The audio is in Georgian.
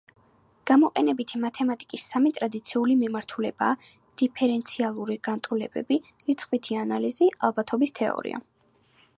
გამოყენებითი მათემატიკის სამი ტრადიციული მიმართულებაა: დიფერენციალური განტოლებები, რიცხვითი ანალიზი, ალბათობის თეორია.